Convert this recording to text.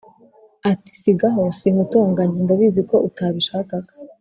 ati"sigaho sinkutonganya ndabiziko utabishakaga"